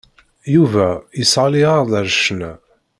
Yuba yesseɣli-aɣ-d ar ccna.